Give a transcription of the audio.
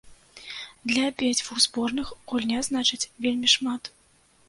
Для абедзвюх зборных гульня значыць вельмі шмат.